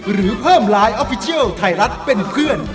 หรือเพิ่มไลน์ออฟฟิเชียลไทยรัฐเป็นเพื่อน